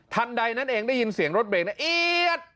ใดนั่นเองได้ยินเสียงรถเบรกเอี๊ยด